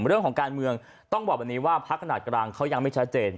เรื่องของการเมืองต้องบอกแบบนี้ว่าพักขนาดกลางเขายังไม่ชัดเจน